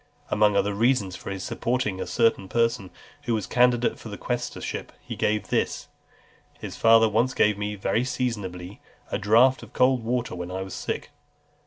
Among other reasons for his supporting a certain person who was candidate for the quaestorship, he gave this: "His father," said he, "once gave me, very seasonably, a draught of cold water when I was sick."